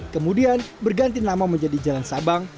kemudian berganti nama menjadi jalan sabang